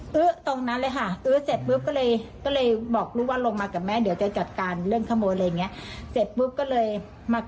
ไปด้วยไม่มีไม่มีหนักขาดให้เราเห็นเลยจริงจริงเขานั่งปวดอยู่ข้างในบ้านอ่ะ